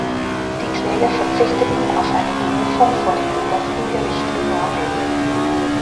Die Kläger verzichteten auf eine Berufung vor dem Obersten Gericht in Norwegen.